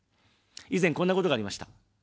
以前、こんなことがありました。